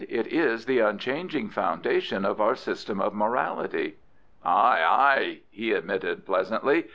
"It is the unchanging foundation of our system of morality." "Ay, ay," he admitted pleasantly.